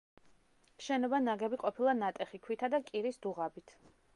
შენობა ნაგები ყოფილა ნატეხი ქვითა და კირის დუღაბით.